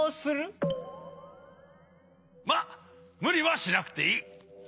まっむりはしなくていい。